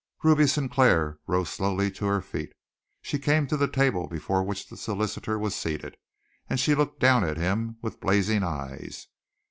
Ruby Sinclair rose slowly to her feet. She came to the table before which the solicitor was seated, and she looked down at him with blazing eyes.